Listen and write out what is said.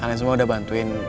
kalian semua udah bantuin